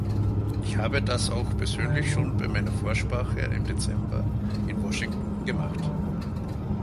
Ich habe das auch persönlich schon bei meiner Vorsprache im Dezember in Washington gemacht.